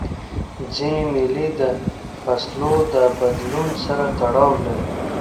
ځیني مېلې د فصلو د بدلون سره تړاو لري.